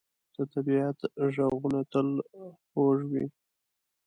د طبیعت ږغونه تل خوږ وي.